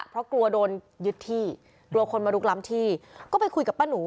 เพราะกลัวโดนยึดที่กลัวคนมาลุกล้ำที่ก็ไปคุยกับป้าหนู